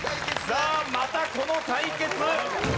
さあまたこの対決！